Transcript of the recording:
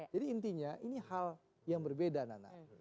jadi intinya ini hal yang berbeda nana